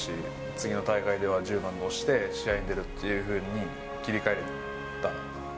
次の大会では、１０番として試合に出るというふうに切り替えた。